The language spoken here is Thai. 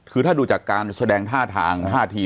คือถ้าดูจากการแสดงท่าทางท่าที